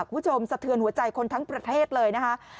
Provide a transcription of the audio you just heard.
สะเทือนหัวใจคนทั้งประเทศเลยนะคะ